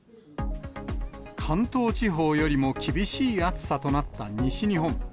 関東地方よりも厳しい暑さとなった西日本。